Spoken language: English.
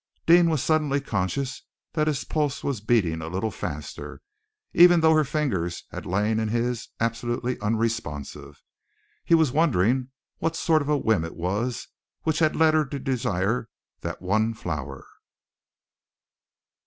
Deane was suddenly conscious that his pulse was beating a little faster, even though her fingers had lain in his absolutely unresponsive. He was wondering what sort of a whim it was which had led her to desire that one flower.